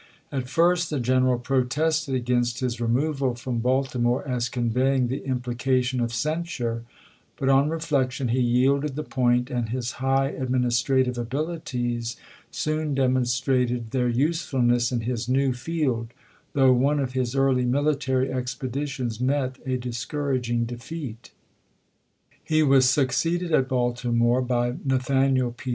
At first the general protested against his removal from Baltimore, as conveying the implication of censure, but, on reflection, he yielded the point, and his high administrative abili ties soon demonstrated their usefulness in his new field, though one of his early military expeditions met a discouraging defeat. He was succeeded at Baltimore by Nathaniel P.